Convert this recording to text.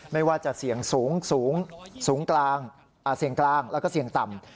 ไม่ว่าจะเสี่ยงสูงกลางเสี่ยงกลางแล้วก็เสี่ยงต่ำ